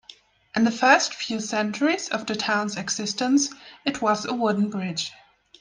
In the first few centuries of the town's existence, it was a wooden bridge.